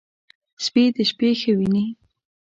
سپي د شپې ښه ویني.